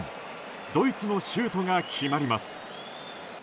ドイツのシュートが決まります。